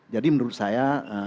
jadi menurut saya